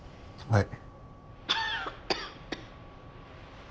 はい。